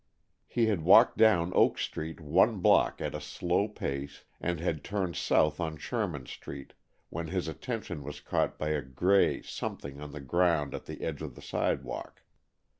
He had walked down Oak Street one block at a slow pace, and had turned south on Sherman Street, when his attention was caught by a gray something on the ground at the edge of the sidewalk.